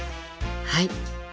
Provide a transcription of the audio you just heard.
はい。